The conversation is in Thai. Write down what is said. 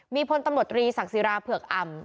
มีพลตำรวจตรีศักดิ์ศิราเผือกอำ